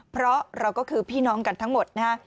เพราะเราก็คือพี่น้องกันทั้งหมดนะฮะ